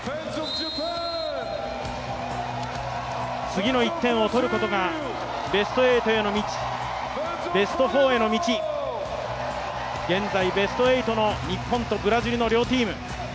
次の１点を取ることがベスト８への道、ベスト４への道、現在、ベスト８の日本とブラジルの両チーム。